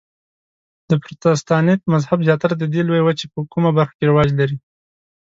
د پروتستانت مذهب زیاتره د دې لویې وچې په کومه برخه کې رواج لري؟